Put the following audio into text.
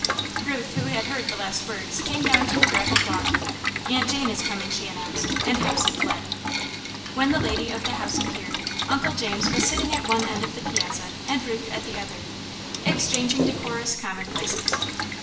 Ruth, who had heard the last words, came down to the gravelled walk. "Aunt Jane is coming," she announced, and Hepsey fled. When the lady of the house appeared, Uncle James was sitting at one end of the piazza and Ruth at the other, exchanging decorous commonplaces.